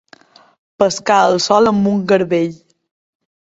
Pescar el sol amb un garbell.